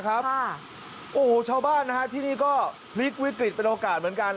โอ้โหชาวบ้านนะฮะที่นี่ก็พลิกวิกฤตเป็นโอกาสเหมือนกัน